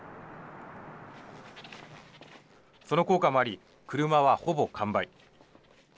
その効果もあり車は、ほぼ完売。